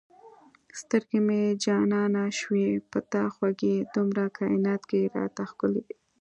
سترګې مې جانانه شوې په تا خوږې دومره کاینات کې را ته ښکلی یې